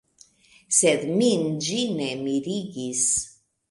Sed min ĝi ne mirigis.